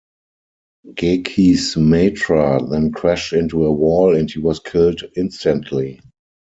Geki's Matra then crashed into a wall and he was killed instantly.